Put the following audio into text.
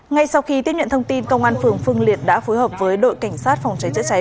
ngay sau khi tiếp nhận thông tin công an phường phương liệt đã phối hợp với đội cảnh sát phòng cháy chữa cháy